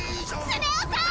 スネ夫さん！